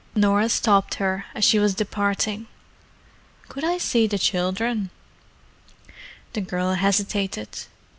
Norah stopped her as she was departing. "Could I see the children?" The girl hesitated.